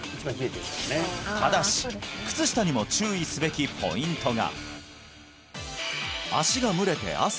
ただし靴下にも注意すべきポイントが！